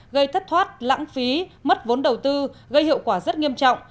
gây thất thoát lãng phí mất vốn đầu tư gây hiệu quả rất nghiêm trọng